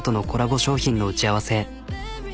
商品の打ち合わせ。